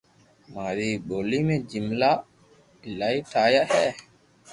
ماري ڀولي ۾ جملا ايلايو ٺايا ھي